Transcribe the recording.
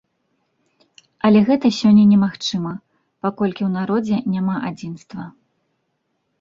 Але гэта сёння немагчыма, паколькі ў народзе няма адзінства.